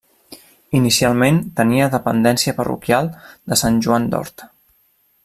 Inicialment tenia dependència parroquial de Sant Joan d'Horta.